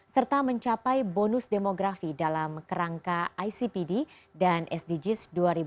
serta mencapai bonus demografi dalam kerangka icpd dan sdgs dua ribu dua puluh